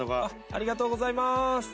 ありがとうございます。